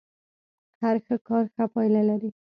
هر ښه کار ښه پايله لري.